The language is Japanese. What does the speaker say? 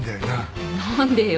何でよ？